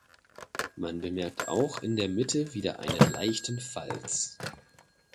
Man bemerkt auch in der Mitte wieder einen leichten Falz.